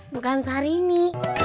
bukan sehari ini